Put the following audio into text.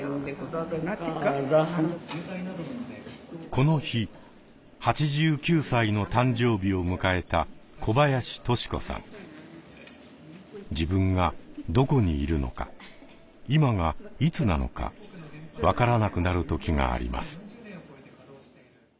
この日８９歳の誕生日を迎えた自分がどこにいるのか今がいつなのか分からなくなる時があります。